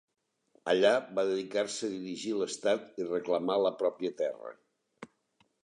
Allà, va dedicar-se a dirigir l'estat i reclamar la pròpia terra.